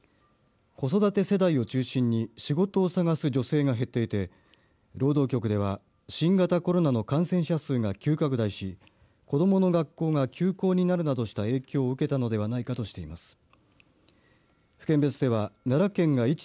子育て世代を中心に仕事を探す女性が減っていて労働局では新型コロナの感染者数が急拡大し子どもの学校が休校になるなどした影響を受けたのではないかとしています。